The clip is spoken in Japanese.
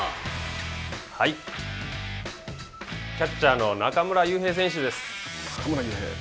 キャッチャーの中村悠平選手です。